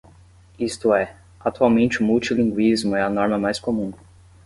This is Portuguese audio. Isto é, atualmente o multilinguismo é a norma mais comum.